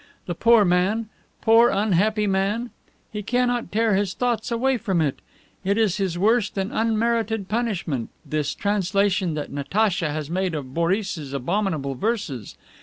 The poor man! Poor unhappy man! He cannot tear his thoughts away from it. It is his worst and unmerited punishment, this translation that Natacha has made of Boris's abominable verses.